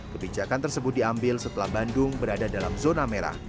kebijakan tersebut diambil setelah bandung berada dalam zona merah